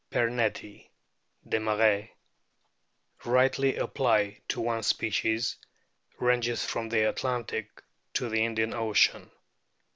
Pernettyi, Desmarest) rightly apply to one species, ranges from the Atlantic to the Indian Ocean.